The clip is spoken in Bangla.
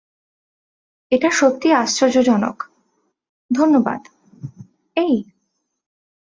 এটা সত্যিই আশ্চর্যজনক - ধন্যবাদ - এই?